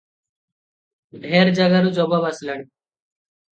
ଢେର ଜାଗାରୁ ଜବାବ ଆସିଲାଣି ।